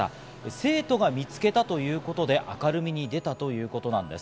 生徒が見つけたということで、明るみに出たということなんです。